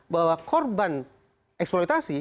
bahwa korban eksploitasi